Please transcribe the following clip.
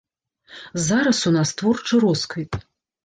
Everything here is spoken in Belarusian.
Зараз у нас творчы росквіт.